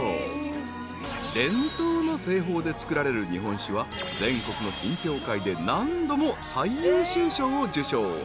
［伝統の製法で造られる日本酒は全国の品評会で何度も最優秀賞を受賞］